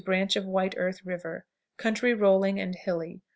Branch of White Earth River. Country rolling and hilly.